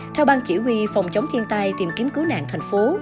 theo ban chỉ huy phòng chống thiên tai tìm kiếm cứu nạn thành phố